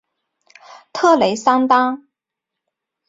特雷桑当。